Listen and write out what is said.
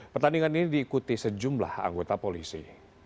pertandingan ini diikuti sejumlah anggota polisi